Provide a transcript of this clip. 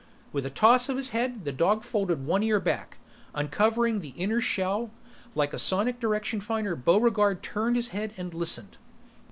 With a toss of his head, the dog folded one ear back, uncovering the inner shell. Like a sonic direction finder, Buregarde turned his head and listened.